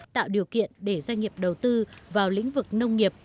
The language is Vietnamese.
tạo điều kiện để doanh nghiệp đầu tư vào lĩnh vực nông nghiệp